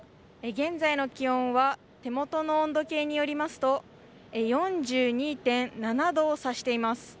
現在の気温は手元の温度計によりますと４２．７度を指しています。